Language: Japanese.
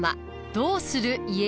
「どうする家康」。